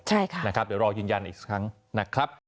ใช่ค่ะนะครับเดี๋ยวรอยืนยันอีกครั้งนะครับ